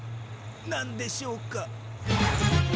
なんでしょうか？